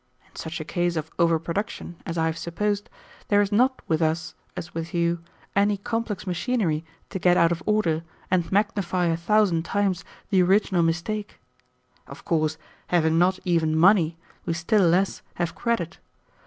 In such a case of over production, as I have supposed, there is not with us, as with you, any complex machinery to get out of order and magnify a thousand times the original mistake. Of course, having not even money, we still less have credit.